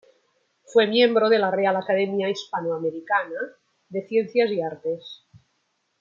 Fue miembro de la Real Academia Hispanoamericana de Ciencias y Artes.